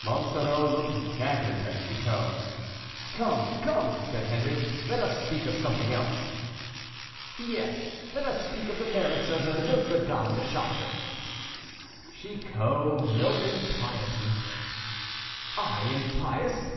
Monsoreau looked daggers at Chicot. "Come, come," said Henri, "let us speak of something else." "Yes, let us speak of the merits of Nôtre Dame de Chartres." "Chicot, no impiety." "I impious!